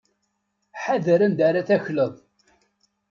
Ḥader anda ara takleḍ.